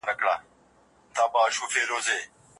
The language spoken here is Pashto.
تاسو د چا په حق کي تجاوز کړی دی؟